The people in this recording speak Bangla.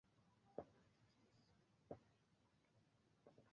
একজন বয়স্ক লোক একটি পার্টিতে চামড়ার জ্যাকেট পরে আছেন।